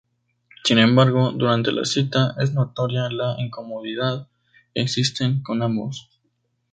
Sin embargo, durante la cita, es notoria la incomodidad que existe con ambos.